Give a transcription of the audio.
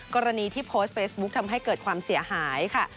กรณีที่โพสต์เฟซบุ๊คทำให้เกิดความเสียหายค่ะ